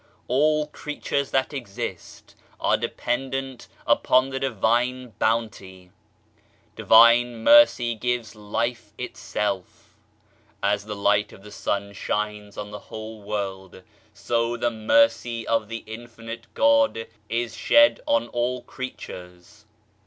All creatures that exist are dependent upon the Divine Bounty. Divine Mercy gives Life itself. As the light of the sun shines on the whole world, so the Mercy of the infinite God is shed on all creatures.